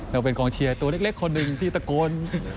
เราเป็นกองเชียร์ตัวเล็กคนหนึ่งที่ตะโกน